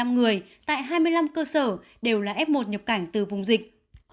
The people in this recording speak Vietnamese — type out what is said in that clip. một chín trăm bảy mươi năm người tại hai mươi năm cơ sở đều là f một nhập cảnh từ vùng dịch